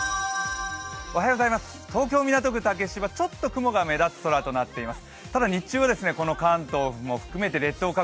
東京・港区竹芝、ちょっと雲が目立つ空となっています。